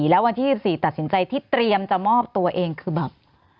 แล้ววันที่๒๔ตัดสินใจที่เตรียมจะมอบตัวเองคือแบบ